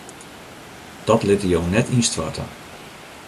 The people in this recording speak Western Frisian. Dat litte jo net ynstoarte.